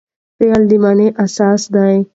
فعل د مانا اساس دئ.